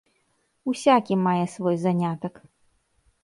Усякі мае свой занятак.